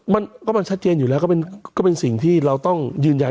มันก็มันชัดเจนอยู่แล้วก็เป็นสิ่งที่เราต้องยืนยัน